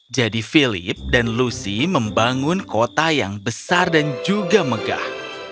jadi philip dan lucy membangun kota yang besar dan juga megah